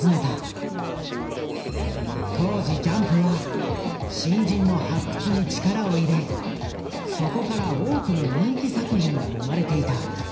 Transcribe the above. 当時ジャンプは新人の発掘に力を入れそこから多くの人気作品が生まれていた。